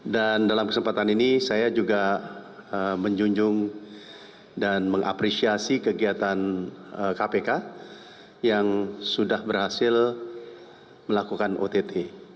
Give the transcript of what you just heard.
dan dalam kesempatan ini saya juga menjunjung dan mengapresiasi kegiatan kpk yang sudah berhasil melakukan ott